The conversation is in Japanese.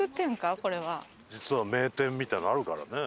実は名店みたいなのあるからね。